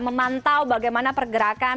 memantau bagaimana pergerakan